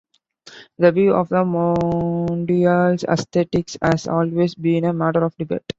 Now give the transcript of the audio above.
The view of the Mondial's aesthetics has always been a matter of debate.